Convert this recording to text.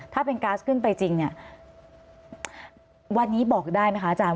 ถ้าเป็นก๊าซขึ้นไปจริงเนี่ยวันนี้บอกได้ไหมคะอาจารย